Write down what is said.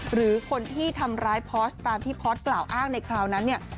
หรือคนที่ทำร้ายพอร์สตามที่พอร์ตกล่าวอ้างในคราวนั้นเนี่ย